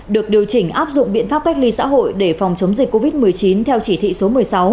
được điều chỉnh áp dụng biện pháp cách ly xã hội để phòng chống dịch covid một mươi chín theo chỉ thị số một mươi sáu